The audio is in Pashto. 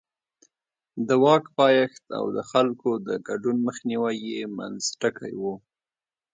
د واک پایښت او د خلکو د ګډون مخنیوی یې منځ ټکی و.